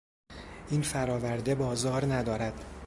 این فراورده بازار ندارد.